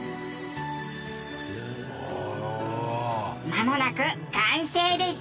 まもなく完成です。